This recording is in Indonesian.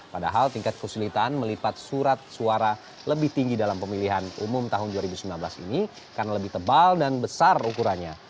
padahal tingkat kesulitan melipat surat suara lebih tinggi dalam pemilihan umum tahun dua ribu sembilan belas ini karena lebih tebal dan besar ukurannya